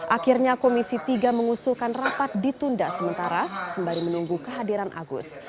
akhirnya komisi tiga mengusulkan rapat ditunda sementara sembari menunggu kehadiran agus